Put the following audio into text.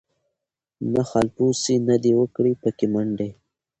نه خالپوڅي نه دي وکړې پکښی منډي